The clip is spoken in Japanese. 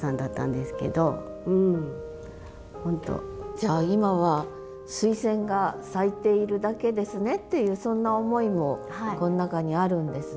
じゃあ今は「スイセンが咲いているだけですね」っていうそんな思いもこの中にあるんですね。